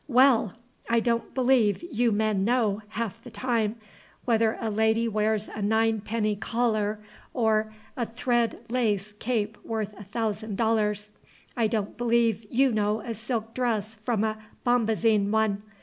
Well! I don't believe you men know, half the time, whether a lady wears a nine penny collar or a thread lace cape worth a thousand dollars. I don't believe you know a silk dress from a bombazine one.